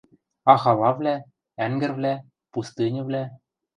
— А халавлӓ, ӓнгӹрвлӓ, пустыньывлӓ?